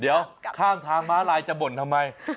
เดี๋ยวข้างทางม้าลายจะบ่นทำไม